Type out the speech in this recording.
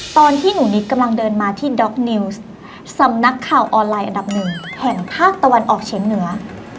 ตอนที่หนูนิดกำลังเดินมาที่ด็อกนิวส์สำนักข่าวออนไลน์อันดับหนึ่งแห่งภาคตะวันออกเชียงเหนือ